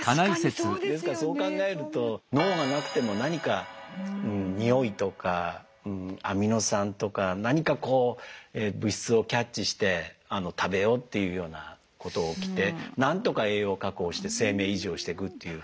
ですからそう考えると脳がなくても何か匂いとかアミノ酸とか何かこう物質をキャッチして食べようっていうようなこと起きて何とか栄養を確保して生命維持をしていくっていう。